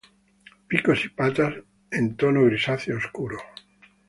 Pico y patas en tono grisáceo oscuro.